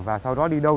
và sau đó đi đâu